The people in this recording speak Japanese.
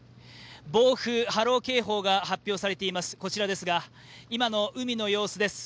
暴風波浪警報が発表されているこちらですが、今の海の様子です。